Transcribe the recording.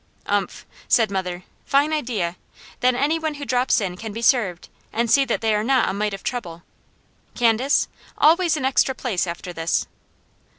"Umph!" said mother. "Fine idea! Then any one who drops in can be served, and see that they are not a mite of trouble. Candace, always an extra place after this!"